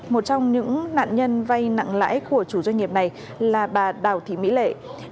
một trong những nạn nhân vay nặng lãi của chủ doanh nghiệp này là bà đào thị mỹ lệ